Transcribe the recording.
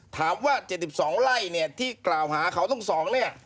ถามว่า๗๒ไร่เนี่ยที่กล่าวหาเขาต้อง๒เนี่ย